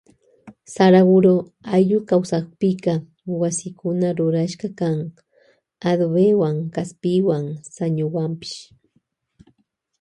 Saraguro ayllu kawsaypika wasikuna rurashka kan adobewan kaspiwan sañuwanpash.